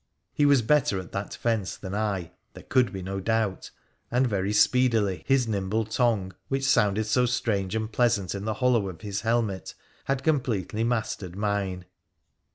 He was better at that fence than I, there could be no doubt, and very speedily his nimble tongue, which sounded so strange and pleasant in the hollow of his helmet, had completely mastered mine.